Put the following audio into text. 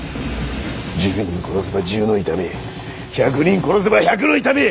１０人殺せば１０の痛み１００人殺せば１００の痛み。